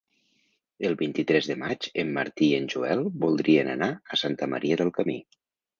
El vint-i-tres de maig en Martí i en Joel voldrien anar a Santa Maria del Camí.